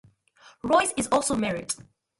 Royce is also married.